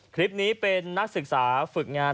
คลิปนี้เป็นนักศึกษาฝึกงาน